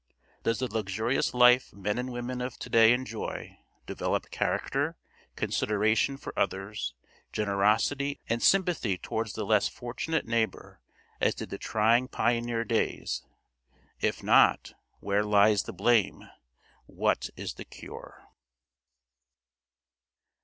Does the luxurious life men and women of today enjoy, develop character, consideration for others, generosity and sympathy towards the less fortunate neighbor as did the trying pioneer days? If not, where lies the blame? What is the cure?